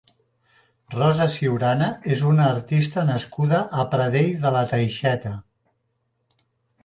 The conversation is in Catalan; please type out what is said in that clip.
Rosa Ciurana és una artista nascuda a Pradell de la Teixeta.